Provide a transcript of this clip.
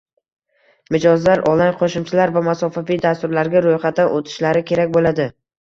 Mijozlar onlayn qo'shimchalar va masofaviy dasturlarga ro'yxatdan o'tishlari kerak bo'ladi